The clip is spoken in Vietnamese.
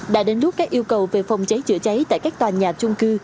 đã đến lúc các yêu cầu về phòng cháy chữa cháy tại các tòa nhà trung cư